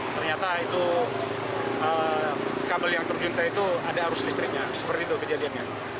ternyata itu kabel yang terjun ke itu ada arus listriknya seperti itu kejadiannya